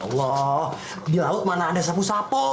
allah di laut mana ada sapu sapu